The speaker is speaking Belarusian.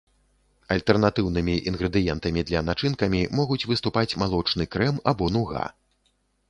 Альтэрнатыўнымі інгрэдыентамі для начынкамі могуць выступаць малочны крэм або нуга.